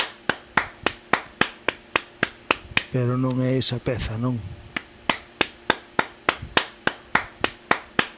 Pero non é esa peza, non.